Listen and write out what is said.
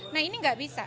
nah ini nggak bisa